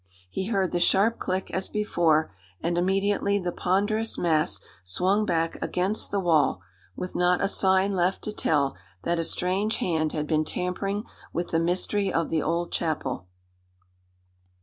He heard the sharp click, as before, and immediately the ponderous mass swung back against the wall, with not a sign left to tell that a strange hand had been tampering with the mystery of the old chapel.